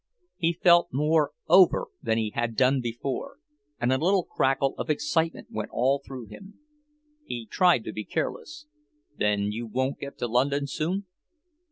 He felt more "over" than he had done before, and a little crackle of excitement went all through him. He tried to be careless: "Then you won't get to London soon?"